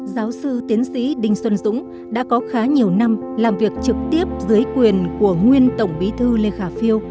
giáo sư tiến sĩ đinh xuân dũng đã có khá nhiều năm làm việc trực tiếp dưới quyền của nguyên tổng bí thư lê khả phiêu